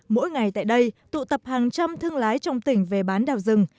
mỗi ngày tại đây tụ tập hàng trăm thương lái trong tỉnh về bán đào rừng